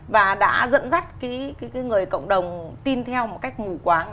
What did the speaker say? và đã dẫn dắt người cộng đồng tin theo một cách ngủ quáng